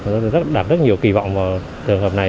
chúng tôi đã đặt rất nhiều kỳ vọng vào trường hợp này